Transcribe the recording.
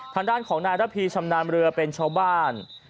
ทางด้านของนายระพีชำนาญเรือเป็นชาวบ้าน